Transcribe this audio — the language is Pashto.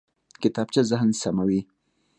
کتابچه ذهن سموي